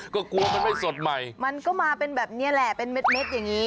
ก็กลัวมันไม่สดใหม่มันก็มาเป็นแบบนี้แหละเป็นเม็ดอย่างนี้